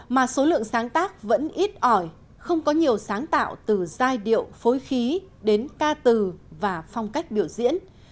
mà số lượng sáng tác vẫn ít ỏi không có nhiều sáng tạo từ giai điệu phối khí đến ca từ và phong cách biểu diễn